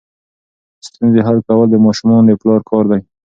ستونزې حل کول د ماشومانو د پلار کار دی.